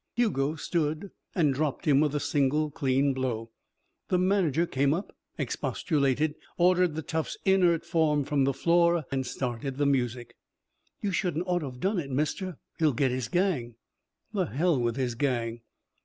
Hugo stood and dropped him with a single clean blow. The manager came up, expostulated, ordered the tough's inert form from the floor, started the music. "You shouldn't ought to have done it, mister. He'll get his gang." "The hell with his gang."